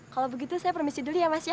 kalau begitu saya permisi dulu ya mas ya